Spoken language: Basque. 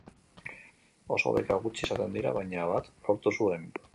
Oso beka gutxi izaten dira baina bat lortu zuen.